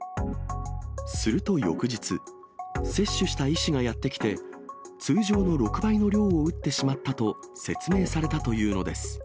すると翌日、接種した医師がやって来て、通常の６倍の量を打ってしまったと説明されたというのです。